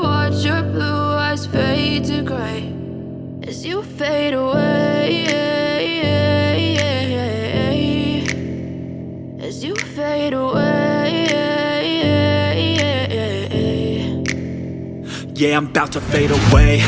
abah bangun mbak abah